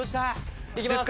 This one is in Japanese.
いきます。